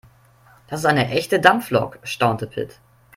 "Das ist eine echte Dampflok", staunte Pit.